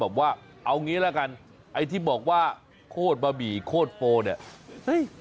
แบบว่าเอาอย่างนี้ละกันไอ้ที่บอกว่าโคตรบะบี่โคตรโฟล์เนี่ย